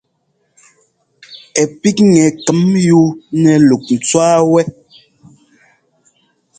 Ɛ píkŋɛ kɛm yú nɛ́ luk ńtwá wɛ́.